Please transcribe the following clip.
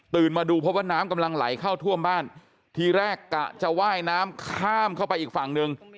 มาดูพบว่าน้ำกำลังไหลเข้าท่วมบ้านทีแรกกะจะว่ายน้ำข้ามเข้าไปอีกฝั่งหนึ่ง